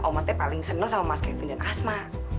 oma teh paling seneng sama mas kevin dan asma